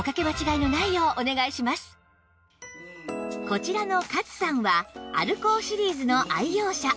こちらの勝さんはアルコーシリーズの愛用者